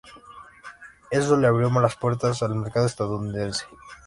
Eso le abrió las puertas al mercado estadounidense.